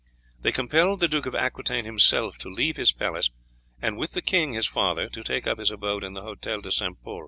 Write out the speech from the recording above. They compelled the Duke of Aquitaine himself to leave his palace, and with the king, his father, to take up his abode in the Hôtel de St. Pol.